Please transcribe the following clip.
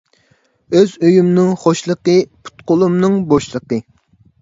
ئۆز ئۆيۈمنىڭ خۇشلىقى، پۇت قۇلۇمنىڭ بوشلىقى.